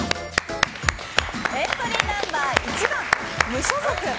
エントリーナンバー１番無所属。